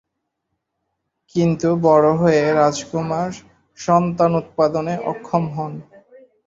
কিন্তু বড়ো হয়ে রাজকুমার সন্তান উৎপাদনে অক্ষম হন।